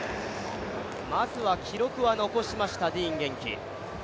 まずは記録は残しましたディーン元気。